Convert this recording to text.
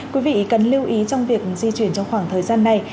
quý vị cần lưu ý trong việc di chuyển trong khoảng thời gian này